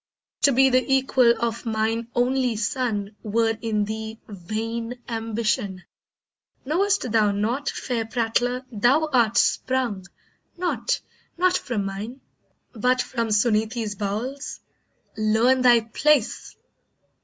To be the equal of mine only son Were in thee vain ambition. Know'st thou not, Fair prattler, thou art sprung, not, not from mine, But from Suneetee's bowels? Learn thy place."